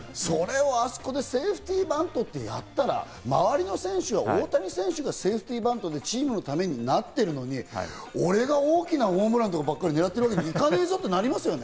それをあそこでセーフティーバントってやったら、周りの選手は大谷選手がセーフティーバントでチームのためにやってるのに、俺が大きなホームランばかり狙うわけに行かねえぞ！ってなりますよね。